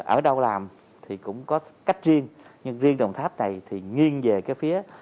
ở đâu làm thì cũng có cách riêng nhưng riêng đồng tháp này thì nghiêng về cái phía